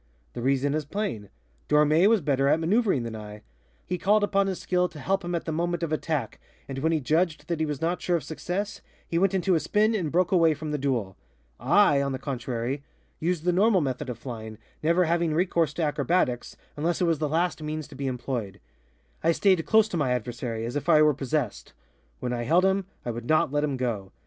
The reason is plain: Dormé was better at maneuvering than I. He called upon his skill to help him at the moment of attack, and when he judged that he was not sure of success, he went into a spin and broke away from the duel. I, on the contrary, used the normal method of flying, never having recourse to acrobatics, unless it was the last means to be employed. I stayed close to my adversary, as if I were possessed. When I held him, I would not let him go.